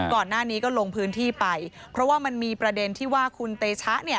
ก่อนหน้านี้ก็ลงพื้นที่ไปเพราะว่ามันมีประเด็นที่ว่าคุณเตชะเนี่ย